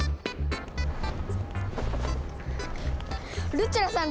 ルッチョラさん